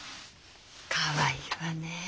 かわいいわねえ。